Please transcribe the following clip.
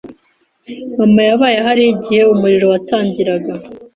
Mama yabaye ahari igihe umuriro watangiraga.